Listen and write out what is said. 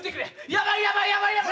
やばいやばいやばいやばい！